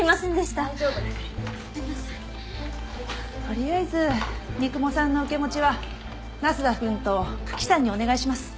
とりあえず三雲さんの受け持ちは那須田くんと九鬼さんにお願いします。